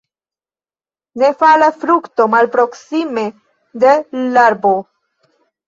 Ne falas frukto malproksime de l' arbo.